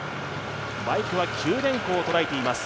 バイクは九電工を捉えています。